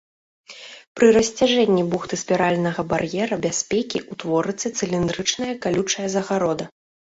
Пры расцяжэнні бухты спіральнага бар'ера бяспекі утворыцца цыліндрычнае калючая загарода.